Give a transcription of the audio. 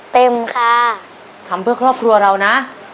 เต็มค่ะทำเพื่อครอบครัวเรานะ